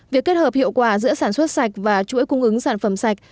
việc kết hợp hiệu quả giữa sản xuất sạch và chuỗi cung ứng sản phẩm sạch